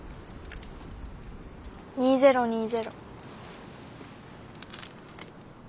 ２０２０。